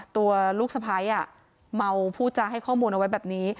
ตัวลูกสะพ้ายเมาผู้จาให้ข้อมูลเอาไว้แบบนี้